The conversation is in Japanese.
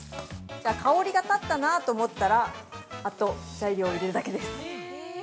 香りが立ったなと思ったら、あとは材料を入れるだけです。